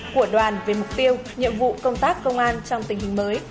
của đoàn về mục tiêu nhiệm vụ công tác công an trong tình hình mới